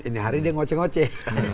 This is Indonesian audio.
ini hari dia ngoce ngoceh